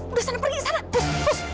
udah sana pergi sana pus pus